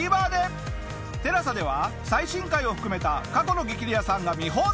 ＴＥＬＡＳＡでは最新回を含めた過去の『激レアさん』が見放題。